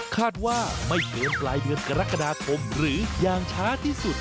คาดว่าไม่เกินปลายเดือนกรกฎาคมหรืออย่างช้าที่สุด